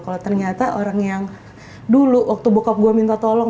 kalau ternyata orang yang dulu waktu buka gue minta tolong